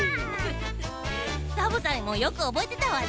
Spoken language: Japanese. サボさんもよくおぼえてたわね。